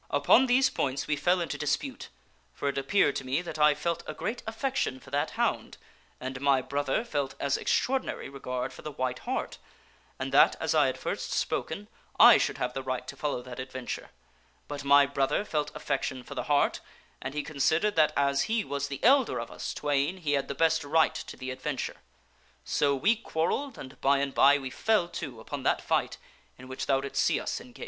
" Upon these points we fell into dispute ; for it appeared to me that I felt great affection for that hound, and my brother felt as extraordinary' regard for the white hart, and that as I had first spoken I should have the right to follow that adventure ; but my brother felt affection for the hart, and he considered that as he was the elder of us twain, he had the best right to the adventure. So we quarrelled, and by and by we fell to upon that fight in which thou did see us engaged."